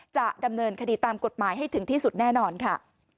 จะดำเนินคดีตามกฎหมายให้ถึงที่สุดแน่นอนค่ะ